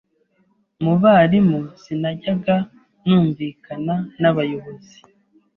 mu barimu sinajyaga numvikana n’abayobozi